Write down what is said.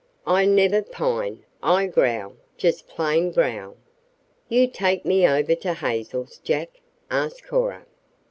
"I never pine. I growl just plain growl." "You take me over to Hazel's, Jack?" asked Cora.